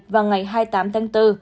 vào ngày hai mươi tám tháng bốn